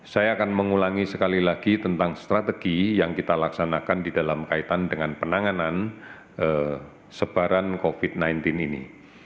saya akan mengulangi sekali lagi tentang strategi yang kita laksanakan di dalam kaitan dengan penanganan sebaran covid sembilan belas ini